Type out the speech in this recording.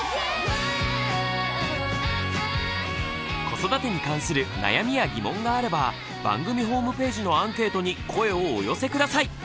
子育てに関する悩みや疑問があれば番組ホームページのアンケートに声をお寄せ下さい。